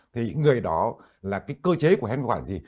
vì đó là cái cơ chế của khen phế quản gì